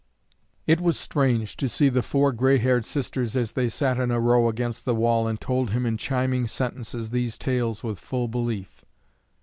It was strange to see the four gray haired sisters as they sat in a row against the wall and told him in chiming sentences these tales with full belief.